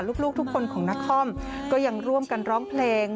ลูกทุกคนของนครก็ยังร่วมกันร้องเพลง